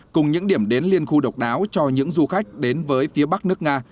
cùng những điểm đến liên khu độc đáo cho những du khách đến với phía bắc nước nga